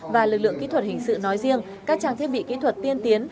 và lực lượng kỹ thuật hình sự nói riêng các trang thiết bị kỹ thuật tiên tiến